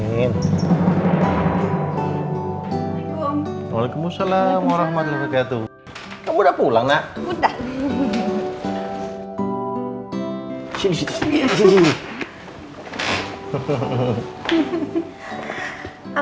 jangan lupa like share subscribe dan subscribe ya